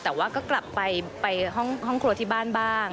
แต่ว่าก็กลับไปห้องครัวที่บ้านบ้าง